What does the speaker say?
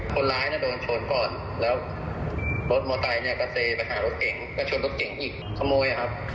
คนร้ายโดนชนก่อนแล้วรถมอเตอร์เนี่ยก็เซไปหารถเก่งก็ชนรถเก่งอีกขโมยครับ